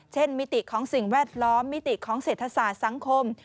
มิติของสิ่งแวดล้อมมิติของเศรษฐศาสตร์สังคม